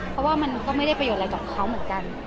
เพราะว่ามันก็ไม่ได้ประโยชน์อะไรกับเขาเหมือนกัน